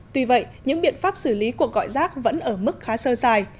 tuy vậy những biện pháp xử lý cuộc gọi rác vẫn ở mức khá sơ dài